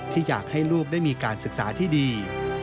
ที่อยากให้ลูกได้มีการศึกษาที่ดี